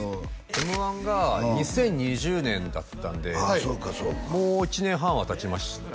Ｍ−１が２０２０年だったんでもう１年半はたちましたね